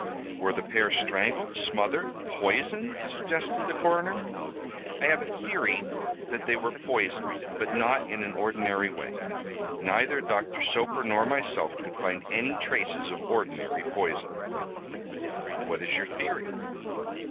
"Were the pair strangled, smothered, poisoned?" suggested the coroner. "I have a theory that they were poisoned, but not in an ordinary way. Neither Doctor Soper nor myself could find any traces of ordinary poison." "What is your theory?"